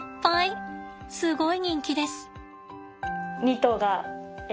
すごい人気です。